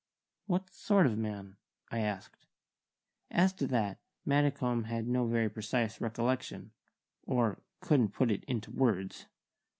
"What sort of man?" I asked. "As to that, Maddicombe had no very precise recollection, or couldn't put it into words.